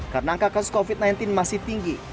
karena angka kasus covid sembilan belas masih tinggi